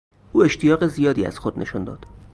او اشتیاق زیادی از خود نشان داد.